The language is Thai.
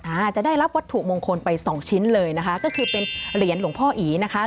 อาจจะได้รับวัตถุมงคลไปสองชิ้นเลยนะคะก็คือเป็นเหรียญหลวงพ่ออีนะคะ